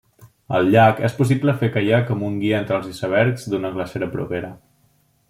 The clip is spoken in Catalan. Al llac, és possible fer caiac amb un guia entre els icebergs d'una glacera propera.